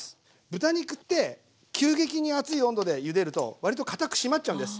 豚肉って急激に熱い温度でゆでると割とかたく締まっちゃうんです。